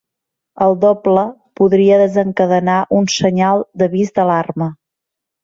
El doble podria desencadenar un senyal d'avís d'alarma.